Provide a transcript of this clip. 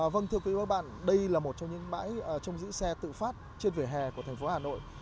vâng thưa quý vị và các bạn đây là một trong những bãi trong giữ xe tự phát trên vỉa hè của thành phố hà nội